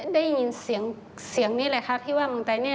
ได้ยินเสียงนี่แหละค่ะที่ว่ามึงไตแน่